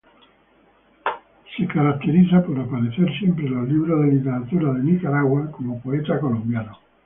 Caracterizado por siempre aparecer en los libros de literatura de nicaragua como poeta colombiano.